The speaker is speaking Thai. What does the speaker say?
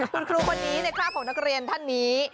คุณครูคนนี้ในคราบของนักเรียนท่านนี้